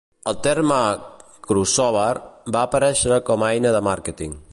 El terme "crossover" va aparèixer com a eina de màrqueting.